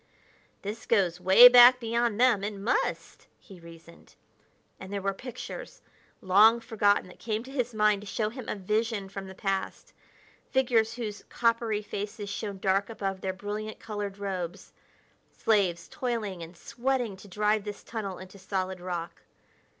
"This goes way back beyond them it must," he reasoned. And there were pictures, long forgotten, that came to his mind to show him a vision from the past figures whose coppery faces shone dark above their brilliant, colored robes slaves, toiling and sweating to drive this tunnel into solid rock.